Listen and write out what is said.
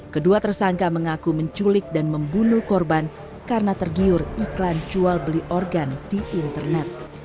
kedua tersangka mengaku menculik dan membunuh korban karena tergiur iklan jual beli organ di internet